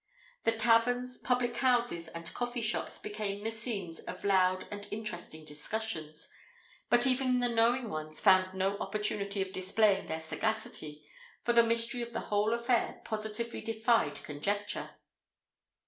The taverns, public houses, and coffee shops became the scenes of loud and interesting discussions, but even the knowing ones found no opportunity of displaying their sagacity, for the mystery of the whole affair positively defied conjecture.